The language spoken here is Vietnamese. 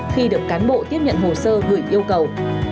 khi được cán bộ tiếp nhận hồ sơ gửi yêu cầu